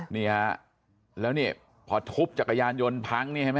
นี่ฮะแล้วนี่พอทุบจักรยานยนต์พังนี่เห็นไหม